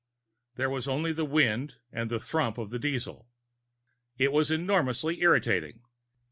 There was only the wind and the thrum of the diesel. It was enormously irritating.